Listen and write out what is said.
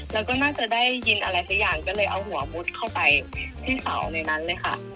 แล้วก็น่าจะได้ยินอะไรสักอย่างก็เลยเอาหัวมุดเข้าไปพี่สาวในนั้นเลยค่ะ